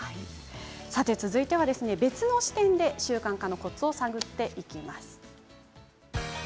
続いては別の視点で習慣化のコツを探っていきます。